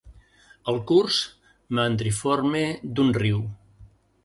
El curs meandriforme d'un riu.